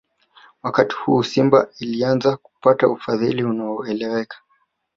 Wakati huu ndio Simba ilianza kupata ufadhili unaoeleweka